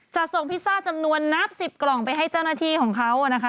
จะส่งพิซซ่าจำนวนนับ๑๐กล่องไปให้เจ้าหน้าที่ของเขานะคะ